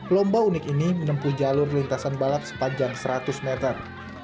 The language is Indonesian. lomba unik ini menempuh jalur lintasan balap sepanjang seratus meter